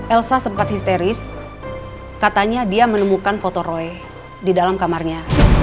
elsa sempat histeris katanya dia menemukan foto roy di dalam kamarnya